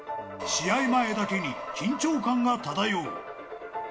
試合前だけに緊張感が漂う。